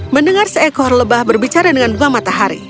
mendengar seekor lebah berbicara dengan bunga matahari